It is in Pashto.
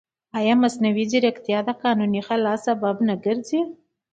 ایا مصنوعي ځیرکتیا د قانوني خلا سبب نه ګرځي؟